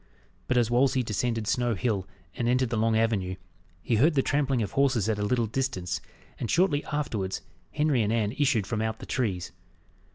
But as Wolsey descended Snow Hill, and entered the long avenue, he heard the trampling of horses at a little distance, and shortly afterwards, Henry and Anne issued from out the trees.